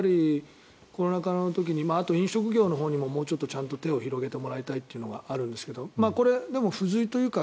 コロナ禍の時にあと飲食業のほうにももうちょっと手を広げてもらいたいというのがあるんですがこれ、でも不随というか